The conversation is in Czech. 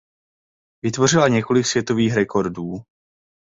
Vytvořila několik světových rekordů.